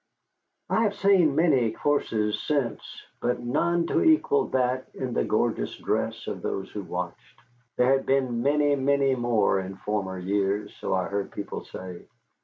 I have seen many courses since, but none to equal that in the gorgeous dress of those who watched. There had been many, many more in former years, so I heard people say.